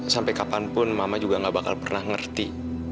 sampai kapanpun mama juga gak bakal pernah ngerti